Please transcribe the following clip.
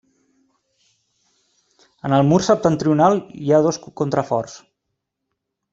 En el mur septentrional hi ha dos contraforts.